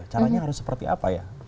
caranya harus seperti apa ya